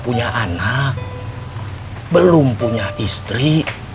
punya anak belum punya istri